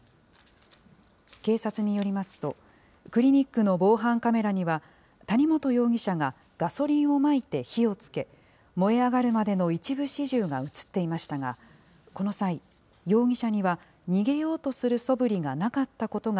警察によりますと、クリニックの防犯カメラには、谷本容疑者がガソリンをまいて火をつけ、燃え上がるまでの一部始終が写っていましたが、この際、容疑者には逃げようとするそぶりがなかったことが、